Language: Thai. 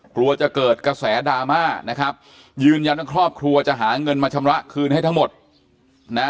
กลัวจะเกิดกระแสดราม่านะครับยืนยันว่าครอบครัวจะหาเงินมาชำระคืนให้ทั้งหมดนะ